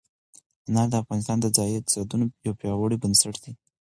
انار د افغانستان د ځایي اقتصادونو یو پیاوړی بنسټ دی.